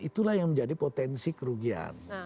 itulah yang menjadi potensi kerugian